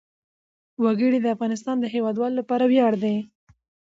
وګړي د افغانستان د هیوادوالو لپاره ویاړ دی.